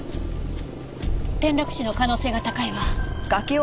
転落死の可能性が高いわ。